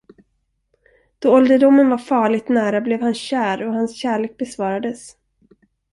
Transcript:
Då ålderdomen var farligt nära blev han kär och hans kärlek besvarades.